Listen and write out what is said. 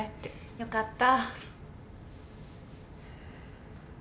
よかった。